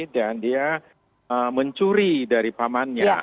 dan dia mencuri dari pamannya